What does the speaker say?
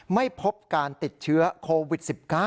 ไม่พบการติดเชื้อโควิด๑๙